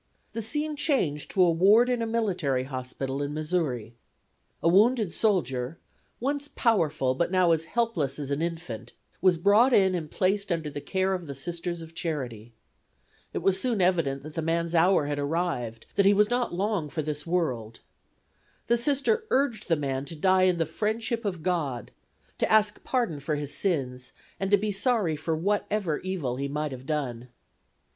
The scene changed to a ward in a military hospital in Missouri. A wounded soldier, once powerful but now as helpless as an infant, was brought in and placed under the care of the Sisters of Charity. It was soon evident that the man's hour had arrived; that he was not long for this world. The Sister urged the man to die in the friendship of God, to ask pardon for his sins, and to be sorry for whatever evil he might have done.